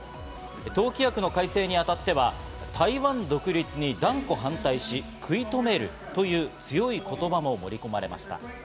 党規約の改正にあたっては台湾独立に断固反対し、食い止めるという強い言葉も盛り込まれました。